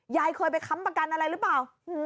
ยายเคยไปค้ำประกันอะไรหรือเปล่า